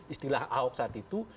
istilah ahok saat itu